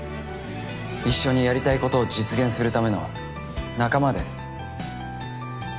一緒にやりたいことを実現するための仲間です。